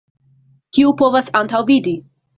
Kiu povas antaŭvidi!